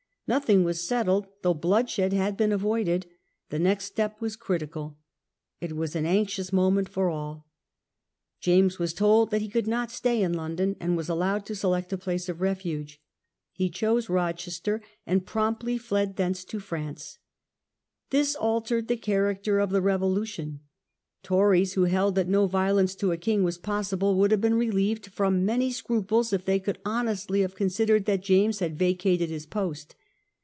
Nothing was settled, though bloodshed had been avoided. The next step was critical. It was an anxious moment for all. James was told that he could not stay in London, and was allowed to select a place of refuge. He chose Rochester, and promptly fled thence to France. The Revoiu This altered the character of the Revolution. ^^^* ^^^8. Tories, who held that no violence to a king was possible, would have been relieved from many scruples if they could honestly have considered that James had vacated his post.